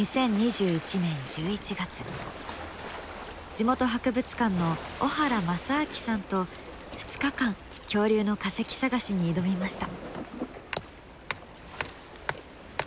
地元博物館の小原正顕さんと２日間恐竜の化石探しに挑みました。